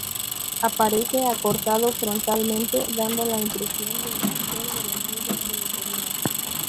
Aparece acortado frontalmente, dando la impresión de emerger de las nubes que lo rodean.